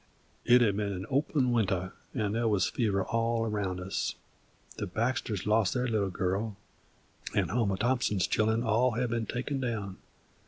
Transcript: It had been an open winter, 'nd there wuz fever all around us. The Baxters lost their little girl, and Homer Thompson's children had all been taken down.